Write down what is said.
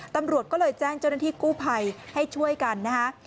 ตำรวจก็เลยแจ้งเจ้าหน้าที่กู้ภัยให้ช่วยกันนะคะ